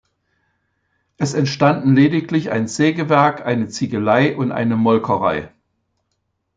Es entstanden lediglich ein Sägewerk, eine Ziegelei und eine Molkerei.